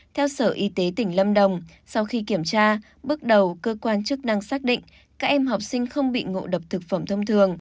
theo sở y tế tỉnh lâm đồng sau khi kiểm tra bước đầu cơ quan chức năng xác định các em học sinh không bị ngộ độc thực phẩm thông thường